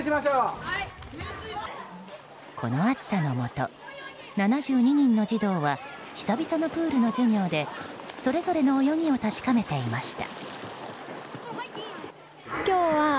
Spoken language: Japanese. この暑さのもと７２人の児童は久々のプールの授業でそれぞれの泳ぎを確かめていました。